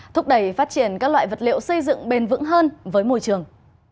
thúc đẩy phát triển các loại vật liệu xây dựng bền vững hơn với môi trường